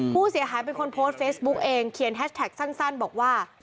ผู้เสียหายเป็นคนโพสต์เฟซบุ๊กเองเขียนแฮชแท็กสั้นบอกว่า